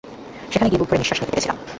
সেখানে গিয়ে বুকভরে নিঃশ্বাস নিতে পেরেছিলাম।